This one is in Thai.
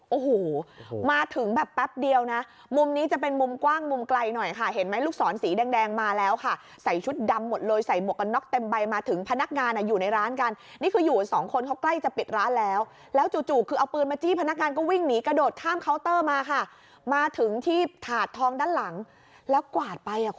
โอ้โหมาถึงแบบแป๊บเดียวนะมุมนี้จะเป็นมุมกว้างมุมไกลหน่อยค่ะเห็นไหมลูกศรสีแดงแดงมาแล้วค่ะใส่ชุดดำหมดเลยใส่หมวกกันน็อกเต็มใบมาถึงพนักงานอ่ะอยู่ในร้านกันนี่คืออยู่สองคนเขาใกล้จะปิดร้านแล้วแล้วจู่จู่คือเอาปืนมาจี้พนักงานก็วิ่งหนีกระโดดข้ามเคาน์เตอร์มาค่ะมาถึงที่ถาดทองด้านหลังแล้วกวาดไปอ่ะคุณ